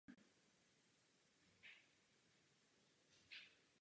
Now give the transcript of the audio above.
Je otevřené celoročně.